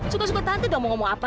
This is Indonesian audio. suka suka tante dong mau ngomong apa